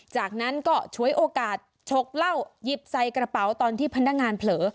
จากนั้นก็ฉวยโอกาสฉกเหล้าหยิบใส่กระเป๋าตอนที่พนักงานเผลอ